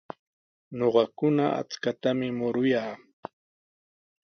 Ñuqakuna achkatami muruyaa.